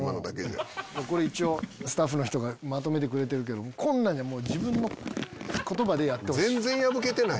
一応スタッフの人がまとめてくれてるけどこんなんじゃない自分の言葉でやってほしい。